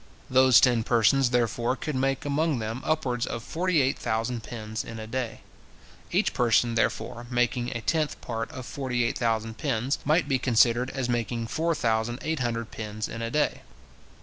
Those ten persons, therefore, could make among them upwards of forty eight thousand pins in a day. Each person, therefore, making a tenth part of forty eight thousand pins, might be considered as making four thousand eight hundred pins in a day.